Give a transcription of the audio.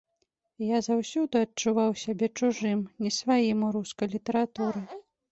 Я заўсёды адчуваў сябе чужым, не сваім у рускай літаратуры.